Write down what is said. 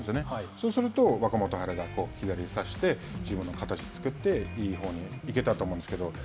そうすると、若元春が左を差して、自分の形を作って、いいほうに行けたと思うんですけれども。